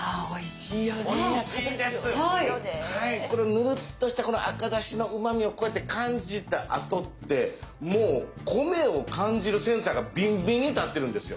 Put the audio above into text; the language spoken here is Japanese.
ぬるっとしたこの赤だしのうまみをこうやって感じたあとってもう米を感じるセンサーがビンビンに立ってるんですよ！